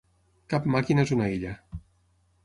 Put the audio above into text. Cap màquina és una illa.